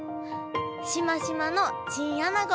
しましまのチンアナゴ。